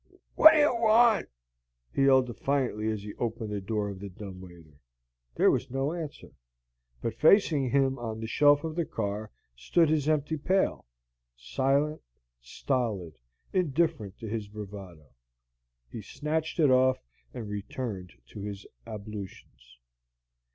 "What do you want?" he yelled defiantly as he opened the door of the dumb waiter. There was no answer; but facing him on the shelf of the car stood his empty pail, silent, stolid, indifferent to his bravado. He snatched it off and returned to his ablutions.